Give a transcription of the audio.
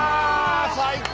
最高！